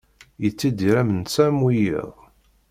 Yettidir am netta am wiyiḍ.